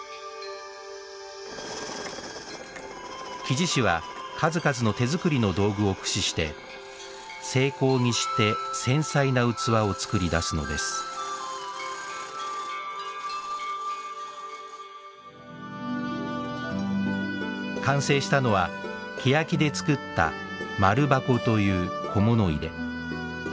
木地師は数々の手作りの道具を駆使して精巧にして繊細な器を作り出すのです完成したのはケヤキで作った丸筥という小物入れ。